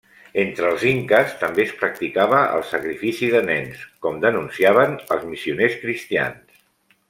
Entre els inques també es practicava el sacrifici de nens, com denunciaven els missioners cristians.